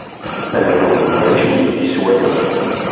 Ahdum werǧin yekkis wayeḍ.